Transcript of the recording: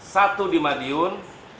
satu di madiun